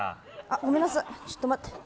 ごめんなさい、ちょっと待って。